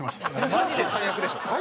マジで最悪でしょ？